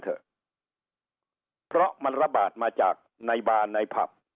เถอะเพราะมันระบาดมาจากในบาร์ในผับ